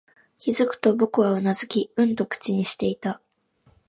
気づくと、僕はうなずき、うんと口にしていた